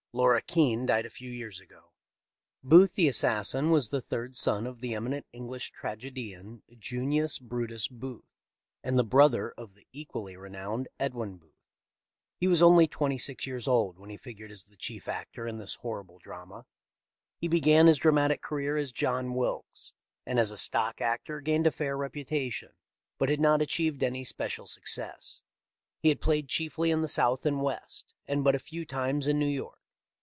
Laura Keene died a few years ago. " Booth the assassin was the third son of the emi nent English tragedian Junius Brutus Booth, and the brother of the equally renowned Edwin Booth. He was only twenty six years old when he figured as the chief actor in this horrible drama. He be gan his dramatic career as John Wilkes, and as a stock actor gained a fair reputation, but had not achieved any special success. He had played chiefly in the South and West, and but a few times in New York.